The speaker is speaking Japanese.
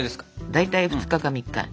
大体２日か３日。